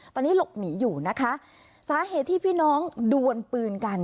ตอนนี้หลบหนีอยู่นะคะสาเหตุที่พี่น้องดวนปืนกัน